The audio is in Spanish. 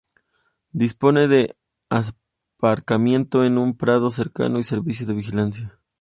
Dispone de aparcamiento en un prado cercano y servicio de vigilancia.